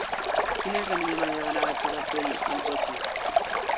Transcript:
Quina és la millor manera d'anar a Xarafull amb cotxe?